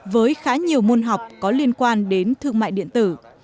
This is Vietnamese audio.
với khá nhiều môn học có liên quan đến thương mại điện tử